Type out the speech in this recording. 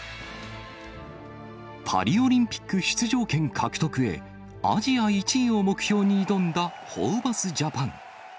パリオリンピック出場権獲得へ、アジア１位を目標に挑んだホーバスジャパン。